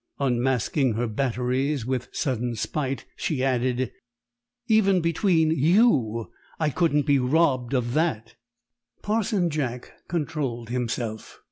Unmasking her batteries with sudden spite, she added, "Even between you I couldn't be robbed of that!" Parson Jack controlled himself.